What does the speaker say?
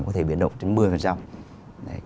có thể biến động đến một mươi